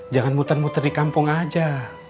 jangan muter muter di kampung aja